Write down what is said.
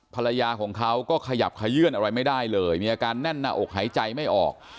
ภรรยาของเขาก็ขยับขยื่นอะไรไม่ได้เลยมีอาการแน่นหน้าอกหายใจไม่ออก